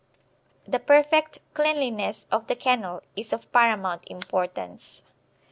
Ed. The perfect cleanliness of the kennel is of paramount importance.